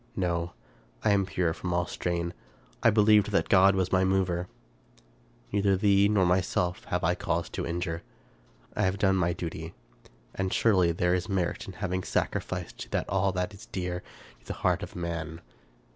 No. I am pure from all stain. I believed that my God was my mover !" Neither thee nor myself have I cause to injure. I have done my duty ; and surely there is merit in having sacrificed to that all that is dear to the heart of man.